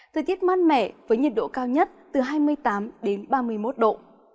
thời tiết mát mẻ với nhiệt độ cao nhất từ hai mươi tám đến ba mươi một độ